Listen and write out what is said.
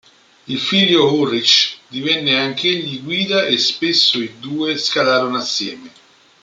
Il figlio Ulrich divenne anch'egli guida e spesso i due scalarono assieme.